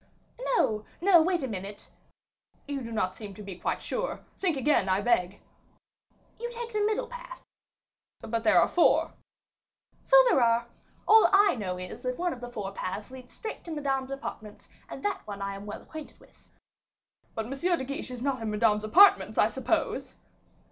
"No, no, wait a minute " "You do not seem to be quite sure. Think again, I beg." "You take the middle path." "But there are four." "So there are. All I know is, that one of the four paths leads straight to Madame's apartments; and that one I am well acquainted with." "But M. de Guiche is not in Madame's apartments, I suppose?"